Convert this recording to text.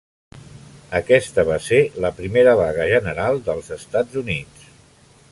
Aquesta va ser la primera vaga general dels Estats Units.